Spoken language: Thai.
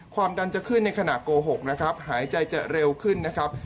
ความดันจะขึ้นในขณะโกหกนะครับหายใจจะเร็วขึ้นนะครับ